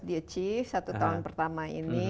di achieve satu tahun pertama ini